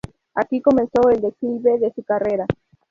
Aquí comenzó el declive de su carrera.